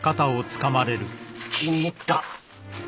気に入った。